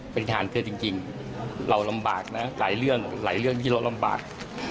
เป็นทหารเพื่อจริงเราลำบากนะหลายเรื่องหลายเรื่องที่เราลำบาก